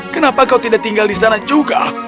kenapa kau tidak tinggal di sana juga